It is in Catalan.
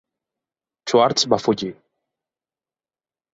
Schwartz va fugir.